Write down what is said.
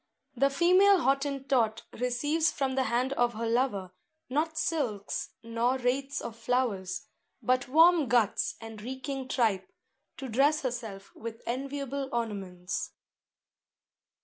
The female Hottentot receives from the hand of her lover, not silks nor wreaths of flowers, but warm guts and reeking tripe, to dress herself with enviable ornaments.